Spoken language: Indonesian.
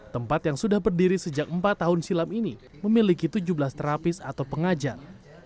tempat yang sudah berdiri sejak empat tahun silam ini memiliki tujuh belas terapis atau pengajar